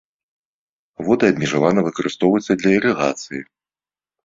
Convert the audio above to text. Воды абмежавана выкарыстоўваюцца для ірыгацыі.